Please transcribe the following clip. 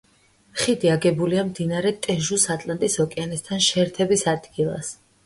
ხიდი აგებულია მდინარე ტეჟუს ატლანტის ოკეანესთან შეერთების ადგილას.